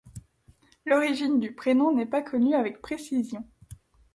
L'origine du prénom n'est pas connue avec précision.